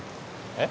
えっ？